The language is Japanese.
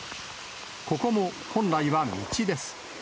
ここも本来は道です。